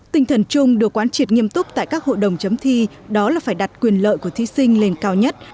tinh thần chung được quán triệt nghiêm túc tại các hội đồng chấm thi đó là phải đặt quyền lợi của thí sinh lên cao nhất